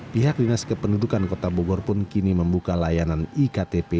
pihak dinas kependudukan kota bogor pun kini membuka layanan iktp